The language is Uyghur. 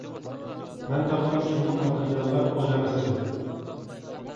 مەن تاپقان شۇنداق ماتېرىياللار ئاز ئەمەس ئىدى.